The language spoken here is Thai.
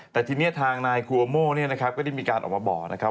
แต่ที่นี่ทางนายครูอัโมได้มีการออกมาบ่อว่า